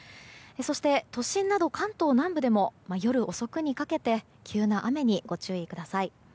そして、都心など関東南部でも夜遅くにかけて急な雨にご注意ください。